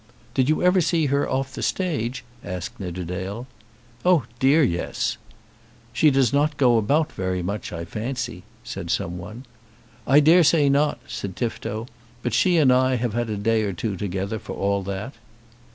"Did you ever see her off the stage?" asked Nidderdale. "Oh dear yes." "She does not go about very much, I fancy," said someone. "I dare say not," said Tifto. "But she and I have had a day or two together, for all that."